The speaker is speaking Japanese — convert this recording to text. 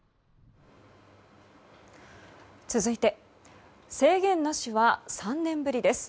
続いて制限なしは３年ぶりです。